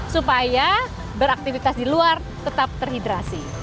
supaya beraktivitas di luar tetap terhidrasi